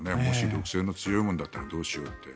毒性の強いものだったらどうしようって。